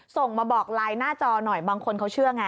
ส่งมาบอกไลน์หน้าจอหน่อยบางคนเขาเชื่อไง